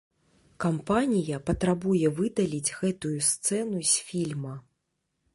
Кампанія патрабуе выдаліць гэтую сцэну з фільма.